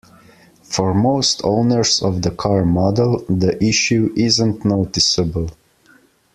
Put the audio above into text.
For most owners of the car model, the issue isn't noticeable.